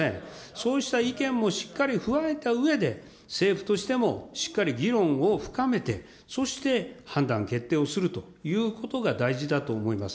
そうした意見もしっかり踏まえたうえで、政府としてもしっかり議論を深めて、そして判断、決定をするということが大事だと思います。